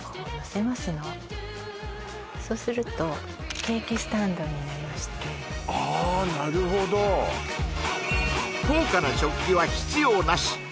そうするとケーキスタンドになりましてああーなるほど高価な食器は必要なし